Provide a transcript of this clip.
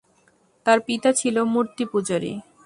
তার পিতা ছিল মূর্তিপূজারী।